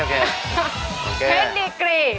เบสดีกรี